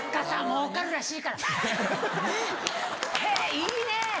いいね！